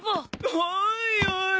おいおい！